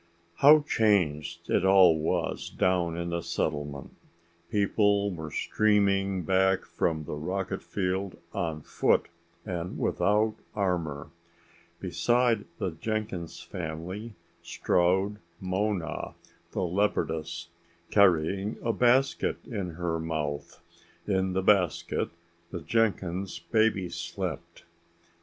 How changed it all was down in the settlement! People were streaming back from the rocket field on foot and without armor. Beside the Jenkins family strode Mona, the leopardess, carrying a basket in her mouth. In the basket the Jenkins' baby slept.